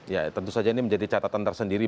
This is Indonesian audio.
ya tentu saja ini menjadi catatan tersendiri